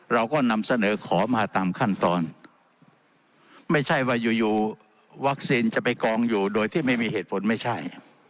เราก็นำเสนอขอมาตามขั้นตอนไม่ใช่ว่าอยู่อยู่วัคซีนจะไปกองอยู่โดยที่ไม่มีเหตุผลไม่ใช่